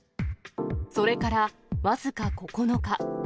それから僅か９日。